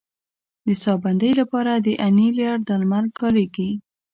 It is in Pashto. د ساه بندۍ لپاره د انیلر درمل کارېږي.